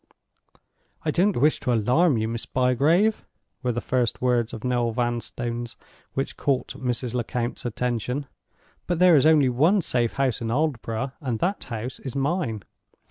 "I don't wish to alarm you, Miss Bygrave," were the first words of Noel Vanstone's which caught Mrs. Lecount's attention, "but there is only one safe house in Aldborough, and that house is mine.